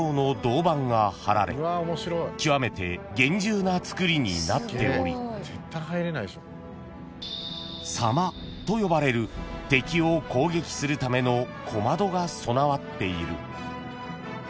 ［極めて厳重な造りになっており狭間と呼ばれる敵を攻撃するための小窓が備わっている］